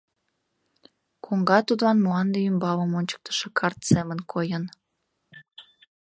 Коҥга тудлан мланде ӱмбалым ончыктышо карт семын койын.